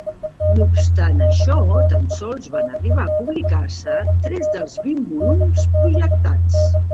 No obstant això, tan sols van arribar a publicar-se tres dels vint volums projectats.